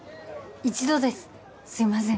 一度ですすいません